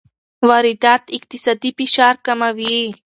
واردات اقتصادي فشار کموي.